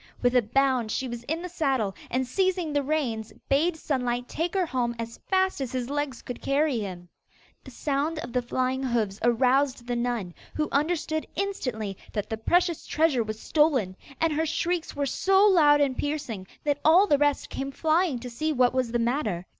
With a bound she was in the saddle, and seizing the reins bade Sunlight take her home as fast as his legs could carry him. The sound of the flying hoofs aroused the nun, who understood instantly that the precious treasure was stolen, and her shrieks were so loud and piercing that all the rest came flying to see what was the matter.